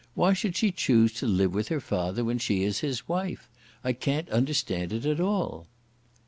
Why should she choose to live with her father when she is his wife? I can't understand it at all."